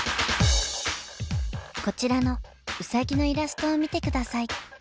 こちらのウサギのイラストを見てください。